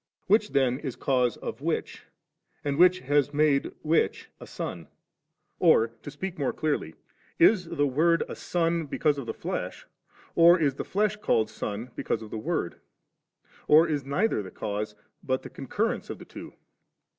Which then is cause , of which ? and which has made which a Son ? I or, to speak more clearly, is the Word a Son I because of the flesh ? or is the flesh called Son I because of the Word ? or is neither the cause, but the concurrence of the two?